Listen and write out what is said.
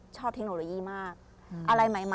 เทคโนโลยีมากอะไรใหม่